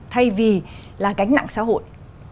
thay vì là cánh nặng xã hội